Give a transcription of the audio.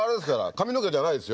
髪の毛じゃないですよ。